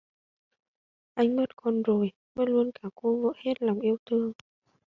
Anh mất con rồi mất luôn cả cô vợ hết lòng yêu thương